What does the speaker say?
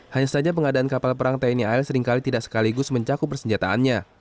hanya saja pengadaan kapal perang tni al seringkali tidak sekaligus mencakup persenjataannya